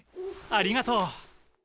ありがとう。